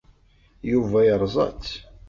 Yuba yerẓa-tt.